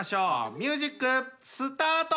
ミュージックスタート！